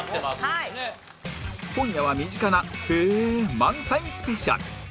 今夜は身近な「へぇ」満載スペシャル